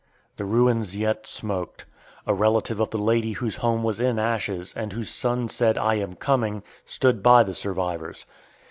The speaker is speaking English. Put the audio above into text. The ruins yet smoked. A relative of the lady whose home was in ashes, and whose son said "I am coming," stood by the survivors.